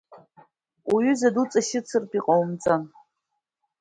Уҩыза дуҵашьыцыртә иҟаумҵан!